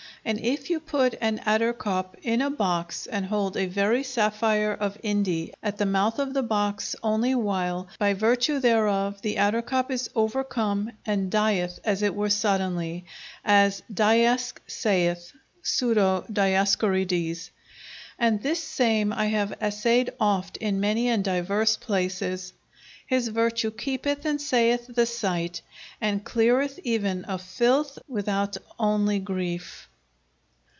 And yf you put an attercoppe in a boxe and hold a very saphyre of Inde at the mouth of the boxe ony whyle, by vertue thereof the attercoppe is overcome & dyeth as it were sodenly, as Dyasc. sayth [pseudo Dioscorides]. And this same I have assayed oft in many and dyvers places. His vertue kepeth and savyth the syght, & clearyth eyen of fylthe wythout ony greyf.